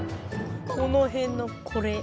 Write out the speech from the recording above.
このへんのこれ。